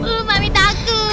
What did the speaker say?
uh mami takut